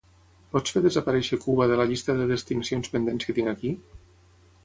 Pots fer desaparèixer Cuba de la llista de destinacions pendents que tinc aquí?